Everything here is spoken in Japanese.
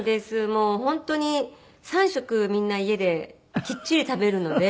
もう本当に３食みんな家できっちり食べるので。